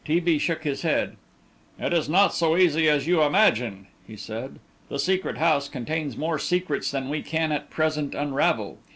T. B. shook his head. "It is not so easy as you imagine," he said. "The Secret House contains more secrets than we can at present unravel.